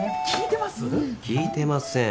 聞いてます？